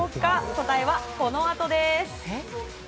答えは、このあとです。